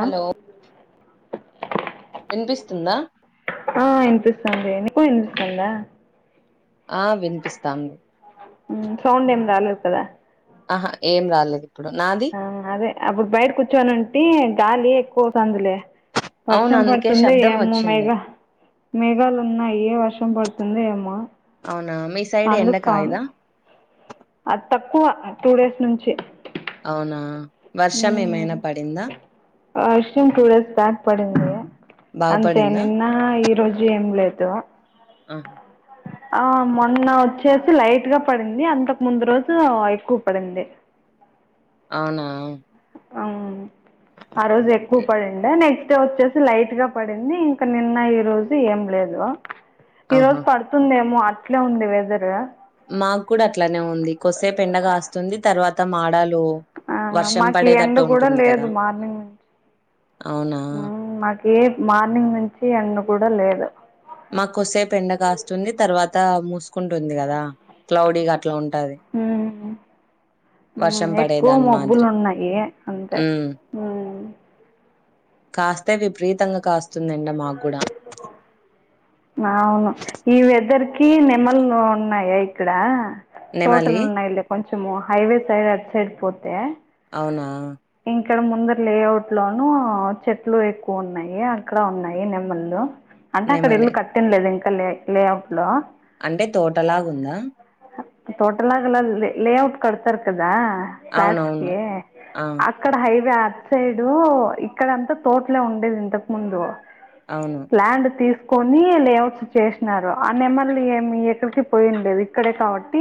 Hello వినిపిస్తుందా ఆ వినిపిస్తోంది నీకు వినిపిస్తుందా ఆ వినిపిస్తాంది ఉమ్ సౌండ్ ఏం రాలేదు కదా ఆహా ఏం రాలేదు ఇప్పుడు నాది ఆ అదే అప్పుడు బయట కూర్చునింటే గాలి ఎక్కువ అవుతంది లే అవును వర్షం అందుకే పడుతుంది శబ్దం ఏమో వచ్చింది మెఘ మేఘాలు ఉన్నాయి ఏ వర్ష కష్టం పడుతుంది ఏమ అవునా మీ సైడ్ అందు ఎండ కాను కాయదా అది తక్కువ టూ డేస్ నుంచి అవునా వర్షం మ్మ్ ఏమైనా పడిందా వర్షం టూ డేస్ బ్యాక్ పడింది అంతే బాగుపడిందా నిన్న ఈ రోజు ఏం లేదు అ ఆ మొన్న వచ్చేసి లైట్ గా పడింది అంతకు ముందు రోజు ఎక్కువ పడింది అ అవునా ఆ రోజు ఎక్కువ పడిందా నెక్ నెక్స్ట్ వచ్చేసి లైట్ గా పడింది ఇంక నిన్న ఈ రోజు ఏం లేదు ఈ ఆహా రోజు పడుతుందేమో అట్లే ఉంది వెదర్ గ మాకూడా అట్లానే ఉంది కొసేపు ఎండగా కాస్తుంది తర్వాత మాడాలు ఆ వర్షం మాకు ఎండ పడేటట్టు కూడా ఉంటుంది కదా లేదు మార్నింగ్ నుంచి అవునా మాకి మార్నింగ్ నుంచి ఎండ కూడా లేదు మాకోసేపు ఎండ కాస్తుంది తర్వాత మూసుకుంటుంది కదా క్లౌడీగా అట్లా ఉంటాది ఊ ఎక్కువ పడేదాని మబ్బులు మాదిరి ఉన్నాయి అంతే ఉమ్ కాస్తే విపరీతంగా కాస్ అవును ఈ వెదర్ కి నెమ్మల్లు ఉన్నాయా ఇక్కడ నెమలి తోటలు ఉన్నాయిలె కొంచె కొంచము హైవే సైడ్ అట్ సైడ్ పోతే అవునా ఇక్కడ ముంద లేఅవుట్ లోనూ చెట్లు ఎక్కువ ఉన్నాయి అక్కడ ఉన్నాయి నెమ్మళ్లు అంటే అక్కడ నెమలి ఇల్లు కట్టినలేద ఇంకా లే లేఅవుట్ లో అంటే తోటలాగుందా టోటల్గలా లేఔట్ కడతర్ కదా ప్లాట్స్ అవునవును కి ఆ అక్కడ హైవే ఇటు సైడ్ ఇక్కడంతా తోటలే ఉండేది ఇంతకు ముందు అవును ల్యాండ్ తీసు కొన్ని లేఔట్స్ చేసినారు ఆ నెమ్మల్ని ఏమీ ఎక్కడికి పోయిఉండేది ఇక్కడే కాబట్టి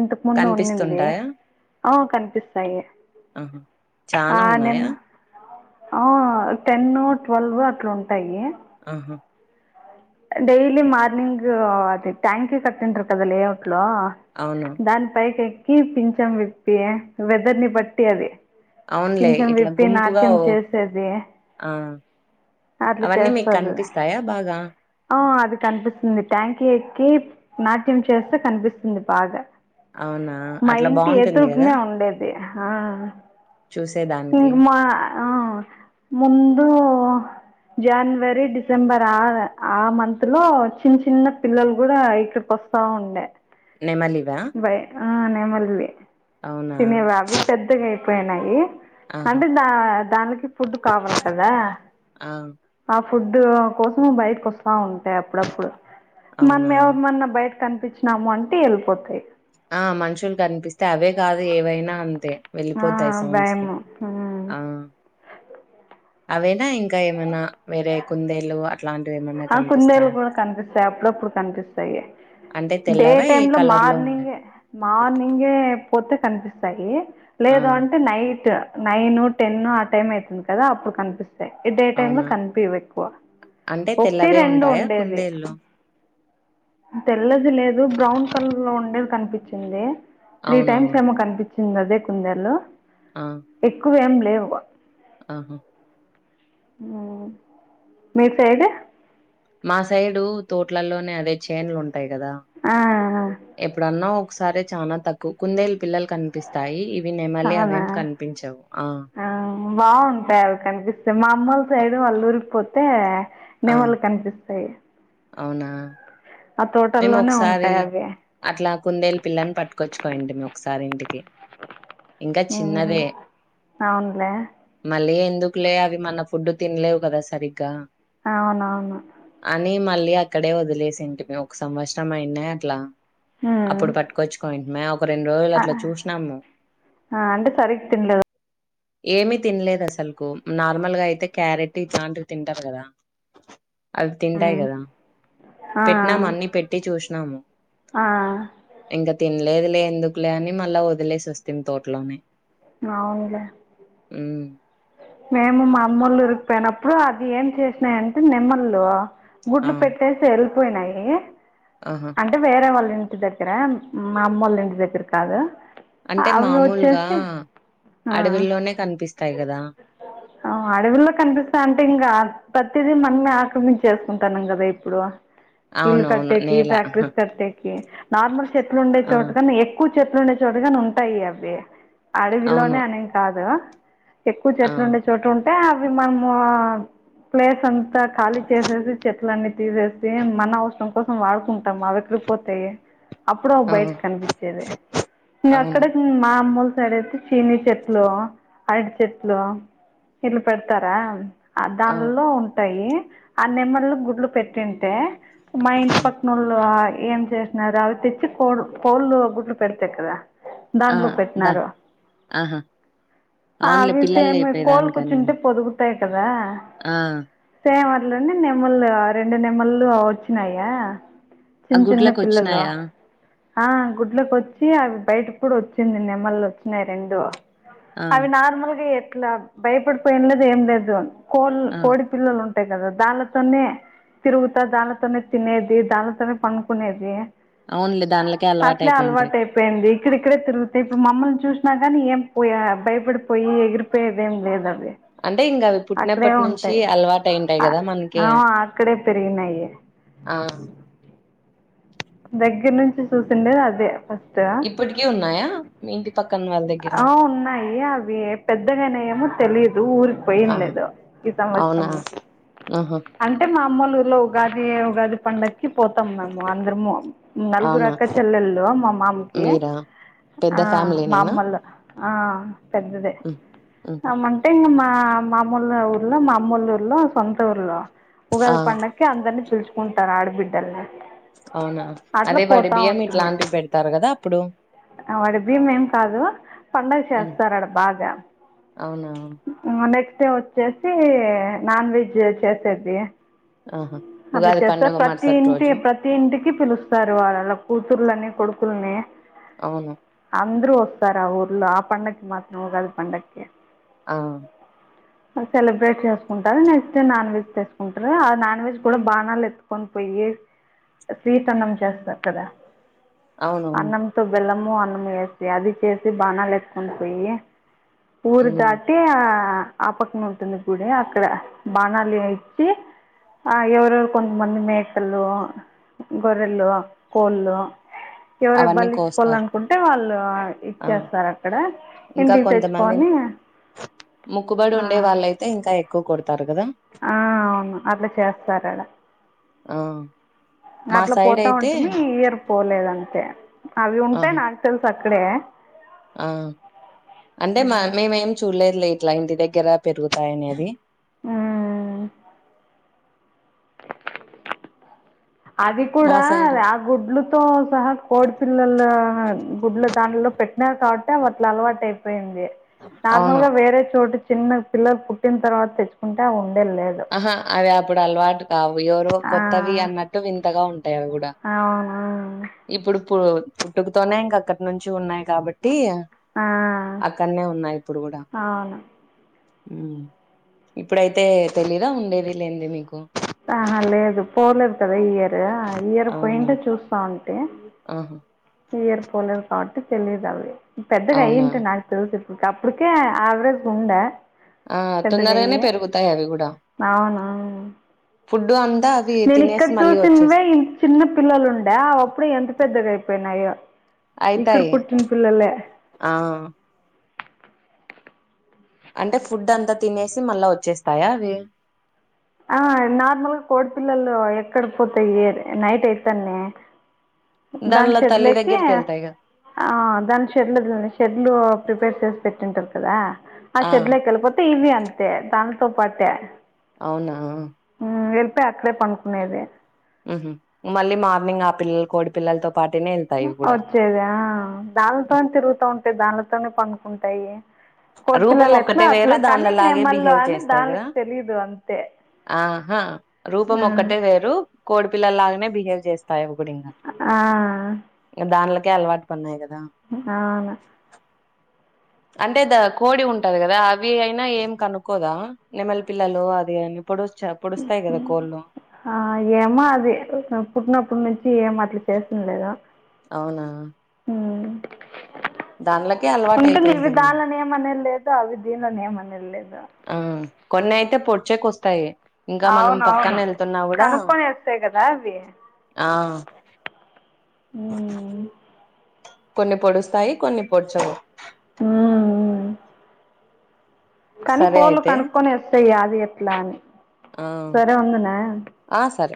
ఇంతకు ముందు ఉన్నింది కనిపిస్తుంటాయా ఆ కనిపిస్తాయి. ఆ ఆ చానా ఉన్నాయా నెమ్మ ఆ టెన్, ట్వెల్వ్ అట్లా ఉంటాయి ఆహా డైలీ మార్నింగ్ అదే ట్యాంకి కట్టింటరు లెఔ లో అవును దాని పైకి ఏ కి పించాం విప్పి వెదర్ ని బట్టి అది అవునులే పించం ఇట్లా విప్పి గుంపుగా నాట్యం ఓ చేసేది ఆ అట్లా అవన్నీ మీకు చేస్తుంది కనిపిస్తాయా బాగా ఆ అది కనిపిస్తుంది ట్యాంకీ ఎక్కి నాట్యం చేస్తే కనిపిస్తుంది బాగా అవునా మా అట్లా ఇంటి బావుంటుంది గదా ఎదురుకునే ఉండేది హా చూసేదానికి ఇంగ్ మా ఆ ముందు జనవరి, డిసెంబర్ ఆ ఆ మంత్ లో చిన్న చిన్న పిల్లలు కూడా అయి పుస్తావుండే నెమలివా ఆ నే మళ్ళీ అవునా తినేవా అవి పెద్దగా అయిపోయినాయి ఆహా అంటే దా దానికి ఫుడ్ కావాలి కదా ఆ ఫుడ్ కోసం బయట వస్తా ఉంటేయి అప్పుడప్పుడు మనం అవునా ఎవ మన్నా బయట కనిపించినాము అంటే వెళ్ళిపోతాయి ఆ మనుషులు కనిపిస్తే అవే కాదు ఏవైనా అంతే ఆ వెళ్ళిపోతాయి సౌండ్స్ కి భయము ఆ అవేనా ఇంకా ఏమైనా వేరే కుందేలు ఆ కుందేళ్లు కూడా కనిపిస్తాయి అప్పుడప్పుడు కనిపిస్తాయి అంటే డే తెల్లవా ఏ టైమ్ లో కలర్‌లో మార్నింగ్ ఉండేవి? మార్నింగే పోతే కనిపిస్తాయి ఆ! లేదు అంటే నైట్ నైన్ టెన్ ఆ టైం అవుతుంది కదా అప్పుడు కనిపిస్తుంది డే టైమ్ అవునా? కనిపియ్యై ఎక్కువ అంటే ఒప్పి తెల్లవే రెండు ఉంటాయా ఉండేది కుందేళ్ళు? తెల్లది లేదు బ్రౌన్ కలర్ కుండేలు కనిపించింది త్రీ టైమ్స్ అవునవును. ఏమో కనిపించింది అదే కుందేలు ఆ! ఎక్కువేం లేవు ఆహా! మీరు సైడ్ మా సైడు తోట్లలోనే అదే చేన్లు ఉంటాయి ఆ ఎప్పుడన్నా ఒకసారి చాలనా తక్కువ కుందేల పిల్లలు కనిపిస్తాయి ఇవి నెమలి అవునా అవేం కనిపించవు. ఆ బాగుంటాయి అవి కనిపిస్తే మా అమ్మలు సైడ్ వాళ్ళురు ఊరికిపోతే ఆ! నెమళ్లు కనిపిస్తాయి అవునా ఆ మేము తోటల్లోనే ఒకసారి ఉంటాయి అవి అట్లా కుందేలు పిల్లని పట్టుకొచ్చుకోండి ము ఒకసారి ఇంటికి ఇంకా హ్మ్ చిన్నదే అవునులే మళ్లీ ఎ ఎందుకులే అవి మన ఫుడ్ తినలేవు కదా సరిగ్గా అవునవును అని మళ్ళీ అక్కడే వదిలేసింటి ఒక సంవత్సరం అయినా అట్లా హ్మ్ అప్పుడు పట్టుకొచ్చుకోంటి మాయ్ ఒక రెండు రోజులు ఆ అట్లా చూసినాము ఆ! అంటే సరిగ్గా తినలేదు ఏమి తినలేదు అసలుకు నార్మల్గా అయితే క్యారెట్ ఇట్లాంటివి తింటారు కదా అవి తింటాయి హ్మ్ కదా ఆ పెట్టినాము అన్ని పెట్టి చూసినాము ఆ ఇంకా తినలేదు లే ఎందుకులే అని మళ్ళా వదిలేసి వస్తేంది తోటలోనే అవునులే ఉమ్ మేము మా అమ్మలు ఉరికిపోయినప్పుడు అది ఏం చేసినాయంటే నిమ్మళ్లు ఆ గుడ్లు పెట్టేసి ఎళ్లిపోయినాయి ఆహా అంటే వేరే వాళ్లు ఇట్ల ఇంటి దగ్గర మా అమ్మ వాళ్ల ఇంటి దగ్గర కాదు అంటే అవి మామూలుగా వచ్చేసి ఆ అడవిల్లోనే కనిపిస్తాయి కదా ఆ అడవుల్లో కనిపిస్తా అంటే ఇంకా ప్రతిది మనని ఆక్రమించేసుకుంటాను కదా ఇప్పుడు ఇల్లు అవునవును కట్టేకి నేల ఫ్యాక్టరీస్ కట్టేకి నార్మల్ చెట్లు ఉండే ఆ చోటకన్నా ఎక్కువ చెట్లు ఉండే చోడుగానే ఉంటాయి అవి అడవిలోనే అవును అనేది కాదు ఎక్కువ ఆ చెట్లు ఉండే చోట ఉంటే అవి మనము ప్లేస్ అంతా ఖాళీ చేసేసి చెట్ లన్నీ తీసేసి మన అవసరం కోసం వాడుకుంట అడవిలకి పోతాయి అప్పుడు ఆ బయట కనిపించేది అవును ఇంగక్కడే మా అమ్మోల్ సరే అయితే చిన చెట్లు అడు చెట్లు ఇళ పెడతారా ఆ దానిలో ఉంటాయి ఆ నెమ్మలో గుడ్లు పెట్టింటే మా ఇంటి పక్కనళ్ళు ఏం చేసినారు అవి తెచ్చి కో కోళ్ళు గుడ్లు పెడతయి కదా ఆ దాంలో దా పెట్టినరు ఆహా ఆ అవునులే ఆవి పిల్లలు సేమ్ కోలు కూర్చుంటే లేపేదానికనేమో పొదుగుతాయి కదా ఆ సేమ్ లోనే నెమ్మలు రెండు నెమ్మలు వచ్చినయా ఆ చిన్ చిన్న గుడ్లకి పిల్లలు వచ్చినాయా ఆ గుడ్లకోచ్చి అవి బయటకూడా వచ్చింది నెమ్మల్లు వచ్చినాయి రెండు ఆ అవి నార్మల్గా ఎట్లా భయపడిపోయి లేదు ఏం లేదు కోల్ ఆ కోడి పల్లలు ఉంటాయి కదా దాళ్ళతోనే తిరుగుతా దాంతోనే తినేది దాళ్ళతోనే పనుకునేది అవునులే దానిలకే అట్లే అయిపోయింటాయి అలవాటు అయిపోయింది ఇక్కడిక్కడే తిరుగుతాయి ఇప్పుడు మమ్మల్ని చూస్ అదని ఏం పోయా భయపడిపోయి ఎగిరిపోయేదేం లేదు అవి అంటే ఇంగ అవి అక్కడే పుట్టినప్పటి నుంచి ఉంటాయి అలవాటు అయింటాయి ఆ, కదా మనకి ఆ, అక్కడే పెరిగినాయి ఆ దగ్గర్నుచి చూసిండేది అదే కదా ఇప్పటికీ ఉన్నాయా మీ ఇంటి పక్కన వాళ్ళ దగ్గర ఆ ఉన్నాయి అవి పెద్దగానే ఏమో తెలియదు ఊరికి పోయిన్ ఆహా లేదు ఈ అవునా సంవత్సరం ఆహా అంటే మా అమ్మోల్ల ఊర్లో ఉగాది ఉగాది పండకి పోతాం మేము అందరము అవునా నలుగురక్కచెల్లెళు మా మామికి మీరా ఆ పెద్ద మా ఫ్యామిలీనేనా అమ్మలు ఆ పెద్దదే హ్మ్. హుహు. అమ్మంటే ఇంగ మా ఆ మామోల ఊర్లో మామ్మోళ్ళ ఊర్లో సొంత ఊర్లో ఆ ఉగాది పండకి అందరినీ పిల్చ్ కుంటారు ఆడిబిడ్డలన్ని అవునా అదే వడి బియ్యం ఇట్లాంటివి పెడతరు కదా అప్పుడు అ వడిబియ్యం ఏం కాదు పండగ హ్మ్. చేస్తారడ బాగా అవునా ఉమ్ ఆ నెక్స్ట్ డే వచ్చేసి నాన్ వెజ్ చేసేది ఆహా అట్లా ఉగాది చేస్తార్ పండుగ ప్రతి మరుసటి ఇంటి రోజు ప్రతి ఇంటిక్ కి పిలుస్తారు వాళ్ళలా కూతుర్ని కొడుకులని అవును అందరూ వస్తారు ఆ ఊర్లో ఆ పండకి మాత్రం ఉగాది పండక్కి ఆ సెలబ్రేట్ చేసుకుంటారు నెక్స్ట్ నాన్ వెజ్ తీసుకుంటారు ఆ నాన్ వెజ్ కూడా బానాలు ఎత్తుకొని పోయి స్వీట్ అన్నం చేస్తారు కదా అవునవును అన్నంతో బెల్లం మో అన్నం వేసి అది చేసి బానాలేతుకొని పోయి ఊరు ఉమ్ దాటి ఆ ఆపక్కన ఉంటుంది గుడి అక్కడ బాణాలి ఏచి ఆ ఎవరవరు కొంత మంది మేకలు గొరెలు కోళ్ళు అవు ఎవరు అవన్నీ బలి కోస్తారు ఇచ్చుకోవాలనుకుంటే వాళ్ళు ఆ ఇచ్చేస్తారు అక్కడ ఇంకా ఇంటికి కొంతమంది తెచ్చుకోని ముక్కుబడి ఉండే వాళ్ళయితే ఇంకా ఎక్కువ కొడతారు కదా ఆ అవును అట్లా చేస్తారడ ఆవు అట్లా పోతా ఉంటమి ఇయర్ పోలేదంతే అవి ఉంటే ఆహా నాకు తెలుసా అ క్కడే ఆ అంటే మా మేమేం చూడలేదు లే క్లయింట్ దగ్గర పెరుగుతాయినేది అ అది మా కూడా సైడ్ ఆ గుడ్లుతో సహా కోడి పిల్లల గుడ్లు దాంట్లో పెట్టినారు కాబట్టి వాట్ల అలవాటు అయిపోయింది నార్మల్ అవును గా వేరే చోటు చిన్న పిల్లలు పుట్టిన తర్వాత తెచ్చుకుంటే ఉ ఆహా అవి అప్పుడు అలవాటు కావు ఎవరో కొత్తవి ఆ, అన్నట్టు వింతగా ఉంటుంది అవి కూడా అవును ఇప్పుడు పు పుట్టుకతోనే ఇంక అక్కడి నుంచి ఉన్నాయి కాబట్టి టి ఆ, అక్కడనే ఉన్నాయి ఇప్పుడు కూడా అవును ఉం ఇప్పుడైతే తెలీదా ఉండేది లేంది నీకు ఆహా లేదు పోలేదు కదా ఇయరు ఇయరు అవునా పోయింటే చూస్తా ఉ ఆహా ఈ ఇయర్ పోలేరు కాబట్టి తెలీదు అవి పెద్దగా అవునా అయ్యంటి నాకు తెలుగు ఇక అప్పుటికే ఆవరేజ్ ఉండ ఆ పెద్ద తొందరగానే గయ్యి పెరుగుతాయి అవి కూడా అవును ఫుడ్ అంతా అవి నేను తినేసి ఇక్కడ మళ్ళీ వచ్చేస్త చూసినవే ఇంత చిన్న పిల్లలు ఉండే అప్పుడు ఎంత పెద్దగా అయిపో పోయినాయ ఇక్కడ అయితాయి పుట్టిన పిల్లలే ఆ అంటే ఫుడ్ అంతా తినేసి మళ్ళా వచ్చేస్తాయా అవి ఆ నార్మల్గా కోడిపిల్లలు ఎక్కడి పోతాయి నైట్ అయితానే దాని దానిలో షేడ్ తల్లి లోకి దగ్గరికి వెళ్తాయిగా ఆ దాని షెడ్ల్ షెడ్లు ప్రిపేర్ చేసి పెట్టింటారు కదా ఆ చెెడ్లే కెల్పోతే ఇవి అంతే దానితో పాటే అవునా టే అక్కడే పండుకునేది ఉ హమ్ మళ్ళీ మార్నింగ్ ఆ పిల్లలు కోడి పిల్లలతో పాటనే వెళ్తాయి ఇవి కూడా వచ్చేదా దానితో తిరుగుతా ఉంటే దానిలతోనే పడుకుంటాయి రూపం కొడిపిల్లలు ఎట్లా ఒక్కటే వేరు అట్లా కానీ దానిలాగే నెమళ్ళు బిహేవ్ అని చేస్తాయి కదా దానికి తెలిదు అంతే ఆహా రూపం ఆ, ఒక్కటే వేరు కోడి పిల్లలలాగనే బిహేవ్ చేస్త తాయి అవి కూడా ఇంగ ఆ, ఇంగ దాన్లకే అలవాటు పడినాయి అవును అంటే ద కోడి ఉంటది కదా అవి అయినా ఏం కనుక్కోదా నెమలి పిల్లలు అది అని పొడుస్చ ఉ పొడుస్తాయి కదా హమ్ కోళ్ళు ఆ ఏమో అది పుట్టినప్పుడు నుంచి ఏమ చేసింది లేదా అవునా దానిలోకి ఉంటుంది ఇవి దానిలోని ఏమనే లేదు అవి దీనిలోనే ఏమనే లేదు ఆ కొన్ని అయితే పొడ్చేకి వస్తాయి ఇంకా మనం పక్కన అవునవును వెళ్తున్నా కూడా కనుక్కొని వేస్తాయి కదా అవి ఆ ఉం కొన్ని పొడుస్తాయి కొన్ని పొడ్చవు ఉం కానీ సరే కోళ్లు అయితే కనుక్కొని వస్తాయి అది ఎట్ల అని ఆ సరే ఉండనా ఆ సరే